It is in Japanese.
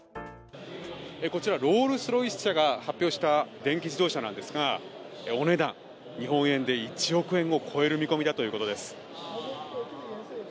こちらロールス・ロイス社が発表した電気自動車ですがお値段、日本円で１億円を超える見込みだということです。